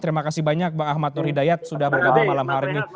terima kasih banyak bang ahmad nur hidayat sudah bergabung malam hari ini